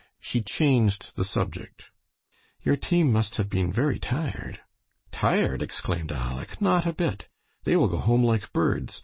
She changed the subject. "Your team must have been very tired." "Tired!" exclaimed Aleck, "not a bit. They will go home like birds.